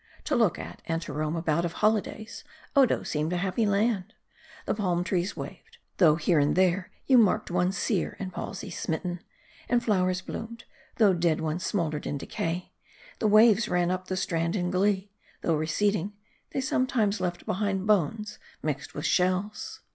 To look at, and to roam about of holi days, Odo seemed a happy land. The palm trees waved though here and there you marked one sear and palsy smit ten ; the flowers bloomed though dead ones moldered in decay ; the waves ran up the strand in glee though, re ceding, they sometimes left behind bones mixed with shells.